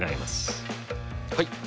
はい。